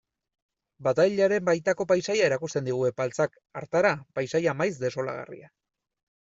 Batailaren baitako paisaia erakusten digu Epaltzak, hartara, paisaia maiz desolagarria.